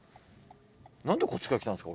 何でこっちから来たんですか？